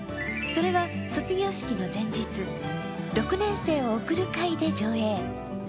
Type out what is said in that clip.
それは、卒業式の前日、６年生を送る会で上映。